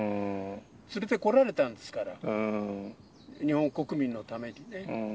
連れてこられたんですから、日本国民のためにね。